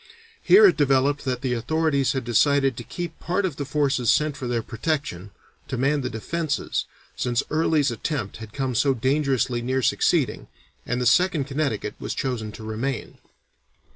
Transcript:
Here it developed that the authorities had decided to keep part of the forces sent for their protection, to man the defences, since Early's attempt had come so dangerously near succeeding, and the Second Connecticut was chosen to remain.